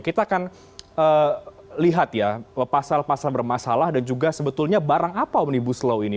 kita akan lihat ya pasal pasal bermasalah dan juga sebetulnya barang apa omnibus law ini